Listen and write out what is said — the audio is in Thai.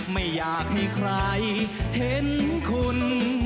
ไม่อยากให้ใครเห็นคุณ